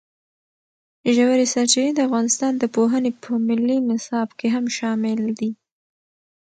ژورې سرچینې د افغانستان د پوهنې په ملي نصاب کې هم شامل دي.